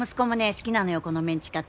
好きなのよこのメンチカツ